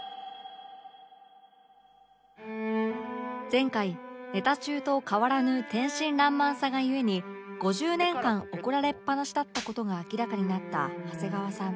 前回ネタ中と変わらぬ天真爛漫さがゆえに５０年間怒られっぱなしだった事が明らかになった長谷川さん